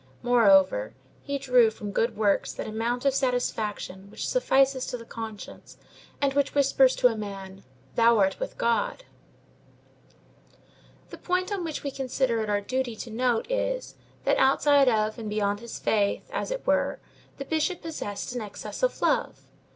Moreover, he drew from good works that amount of satisfaction which suffices to the conscience, and which whispers to a man, "Thou art with God!" The point which we consider it our duty to note is, that outside of and beyond his faith, as it were, the Bishop possessed an excess of love.